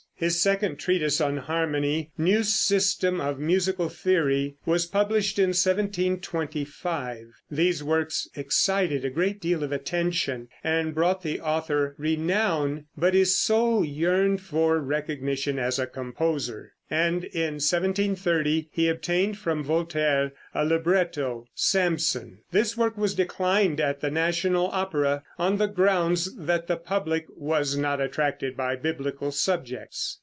His second treatise on harmony, "New System of Musical Theory," was published in 1725. These works excited a great deal of attention and brought the author renown, but his soul yearned for recognition as composer, and in 1730 he obtained from Voltaire a libretto, "Samson." This work was declined at the national opera, on the ground that the public was not attracted by Biblical subjects.